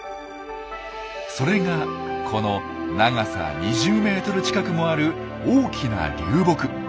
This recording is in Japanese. それがこの長さ２０ｍ近くもある大きな流木。